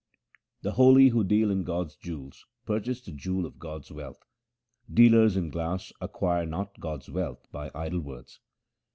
The holy who deal in God's jewels purchase the jewel of God's wealth : dealers in glass acquire not God's wealth by idle words.